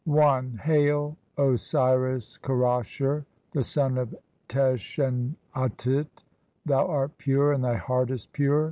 (1) "Hail, Osiris Kerasher, the son of Tashenatit! "Thou art pure, and thy heart is pure.